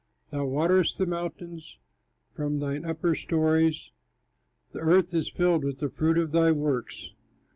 Thou waterest the mountains from thine upper stories; The earth is filled with the fruit of thy works.